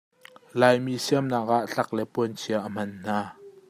Laimi siamnak ah tlak le puanchia a hman hna.